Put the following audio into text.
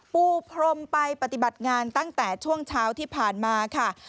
ปูพรมไปปฏิบัติงานตั้งแต่ช่วงเช้าที่ผ่านมาค่ะ